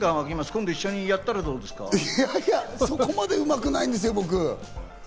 今度一緒に僕、そこまでうまくないんですよ。